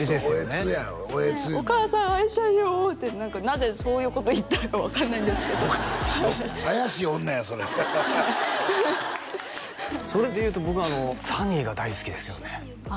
そうそうおえつやおえつ「お母さん会いたいよ」ってなぜそういうこと言ったのか分からないんですけど「怪しい女」やそれそれでいうと僕「サニー」が大好きですけどねああ